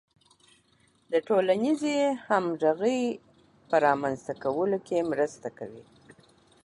د ټولنیزې همغږۍ په رامنځته کولو کې مرسته کوي.